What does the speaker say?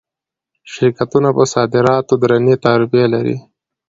شرکتونه پر صادراتو درنې تعرفې لري.